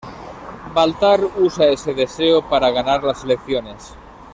Baltar usa este deseo para ganar las elecciones.